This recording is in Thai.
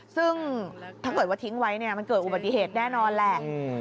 ซึ่งถ้าเกิดว่าทิ้งไว้เนี่ยมันเกิดอุบัติเหตุแน่นอนแหละ